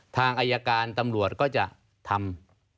ทางอายการตำรวจก็จะทำ